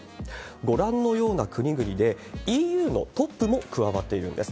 ご覧のような国々で、ＥＵのトップも加わっているんです。